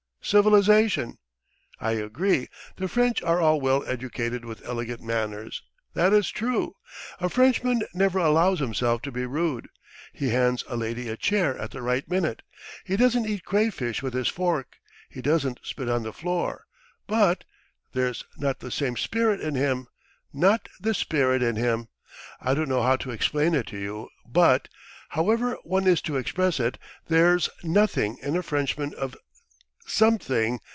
Civilization! I agree, the French are all well educated with elegant manners. .. that is true. ... A Frenchman never allows himself to be rude: he hands a lady a chair at the right minute, he doesn't eat crayfish with his fork, he doesn't spit on the floor, but ... there's not the same spirit in him! not the spirit in him! I don't know how to explain it to you but, however one is to express it, there's nothing in a Frenchman of ... something